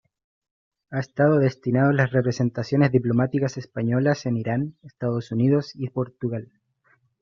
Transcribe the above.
Ha estado destinado en las representaciones diplomáticas españolas en Irán, Estados Unidos y Portugal.